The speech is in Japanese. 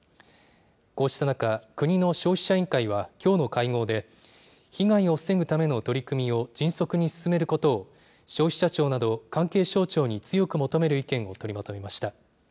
こうした中、国の消費者委員会はきょうの会合で、被害を防ぐための取り組みを迅速に進めることを消費者庁など、関係省庁に強く求める意見を取りまとめました。